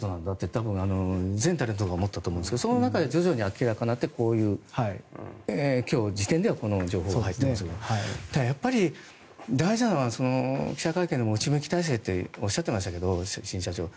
多分、全タレントが思ったと思うんですがその中で徐々に明らかになって今日の時点ではこういう情報が入っていますがただ、やはり大事なのは記者会見でも内向き体制とおっしゃっていましたけど新社長が。